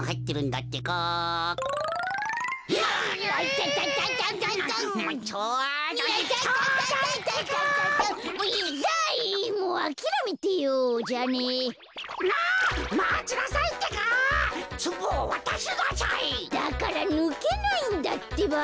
だからぬけないんだってば。